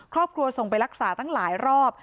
ครอบครัวส่งไปรักษาทั้งหลายรอบ